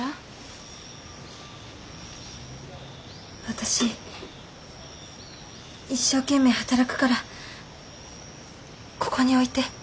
私一生懸命働くからここに置いて。